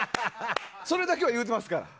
それだけは言うてますから。